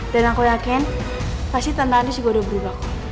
dan aku yakin pasti tante anies juga udah berubah ko